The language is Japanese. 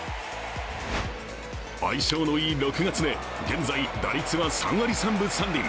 相性のいい６月で、現在打率は３割３分３厘。